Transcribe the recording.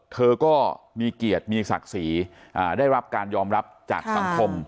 เธอก็มีเกียรติมีศักดิ์ศรีได้รับการยอมรับจากสังคม